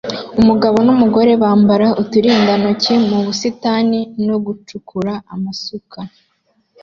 Umugabo numugore bambara uturindantoki mu busitani no gucukura amasuka